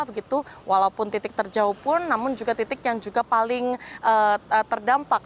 begitu walaupun titik terjauh pun namun juga titik yang juga paling terdampak